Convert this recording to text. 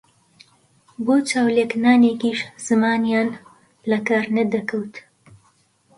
بۆ چاو لێکنانێکیش زمانیان لە کار نەدەکەوت